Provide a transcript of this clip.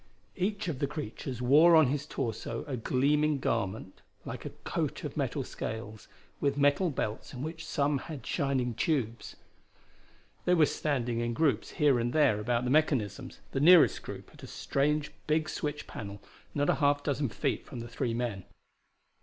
Each of the creatures wore on his torso a gleaming garment like a coat of metal scales, with metal belts in which some had shining tubes. They were standing in groups here and there about the mechanisms, the nearest group at a strange big switch panel not a half dozen feet from the three men.